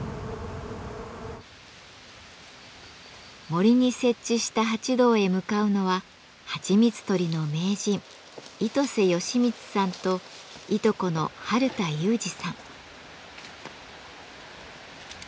森に設置した蜂洞へ向かうのははちみつ採りの名人糸瀬良光さんといとこの春田裕治さん。